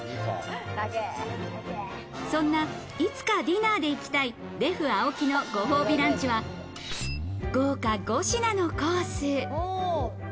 そんな、いつかディナーで行きたい、レフアオキのご褒美ランチは豪華５品のコース。